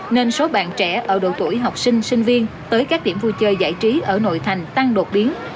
nên số bạn trẻ ở độ tuổi học sinh sinh viên tới các điểm vui chơi giải trí ở nội thành tăng đột biến